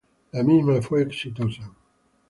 La misma fue exitosa.